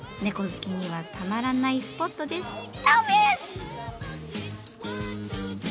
猫好きにはたまらないスポットです。